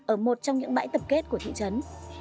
ở một trong những bãi tập kết của thị trấn